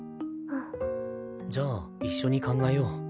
うん。じゃあ一緒に考えよう。